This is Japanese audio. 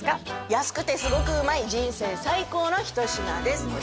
安くてすごくうまい人生最高の一品です